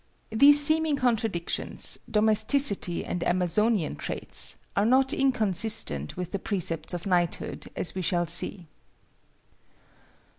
These seeming contradictions—Domesticity and Amazonian traits—are not inconsistent with the Precepts of Knighthood, as we shall see.